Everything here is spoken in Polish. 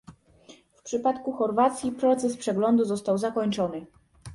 W przypadku Chorwacji proces przeglądu został zakończony